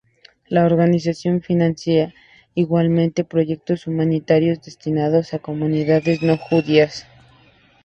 La organización financia igualmente proyectos humanitarios destinados a comunidades no judías.